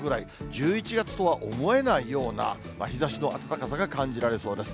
１１月とは思えないような日ざしの暖かさが感じられそうです。